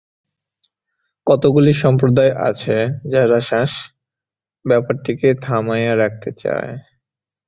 কতকগুলি সম্প্রদায় আছে, যাহারা শ্বাস-ব্যাপারকে থামাইয়া রাখিতে চায়।